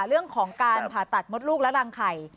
เรื่องของการผ่าตัดมดลูกและรังไข่